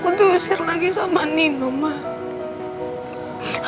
aku dusir lagi sama nino mbak